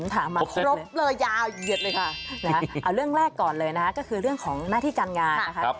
ถามมาครบเลยยาวเหยียดเลยค่ะเอาเรื่องแรกก่อนเลยนะคะก็คือเรื่องของหน้าที่การงานนะคะ